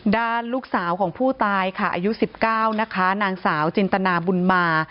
ด้านลูกสาวของผู้ตายค่ะอายุ๑๙นะคะนางสาวจินตนาบุญมา